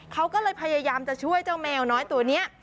เขาก็เลยพยายามจะช่วยเจ้าแมวน้อยตัวนี้